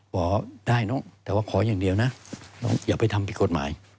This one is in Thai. บอกได้น้องแต่ว่าขออย่างเดียวนะน้องอย่าไปทำผิดกฎหมาย